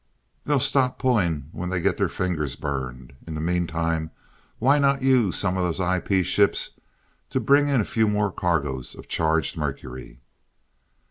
"They'll stop pulling when they get their fingers burned. In the meantime, why not use some of those IP ships to bring in a few more cargoes of charged mercury?"